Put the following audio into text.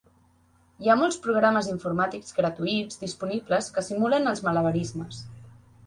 Hi ha molts programes informàtics gratuïts disponibles que simulen els malabarismes.